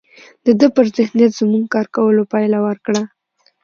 د ده پر ذهنیت زموږ کار کولو پایله ورکړه